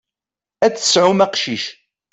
Ad d-tesɛum aqcic.